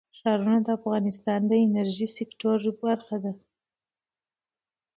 ښارونه د افغانستان د انرژۍ سکتور برخه ده.